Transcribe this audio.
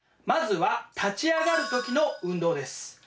まずは立ち上がる時の運動です。